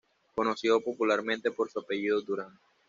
Conocido popularmente por su apellido ""Durán"".